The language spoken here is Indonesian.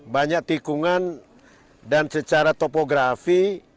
banyak tikungan dan secara topografi